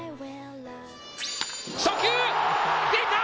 初球、出た！